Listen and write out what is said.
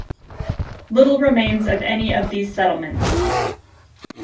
Little remains of any of these settlements.